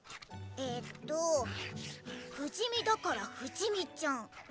えーとふじみだからふじみちゃん！